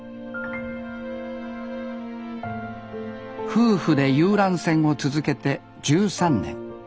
夫婦で遊覧船を続けて１３年。